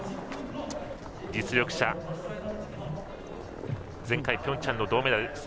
実力者、前回ピョンチャンの銅メダル。